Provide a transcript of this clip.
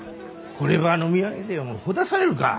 こればあの土産でほだされるか。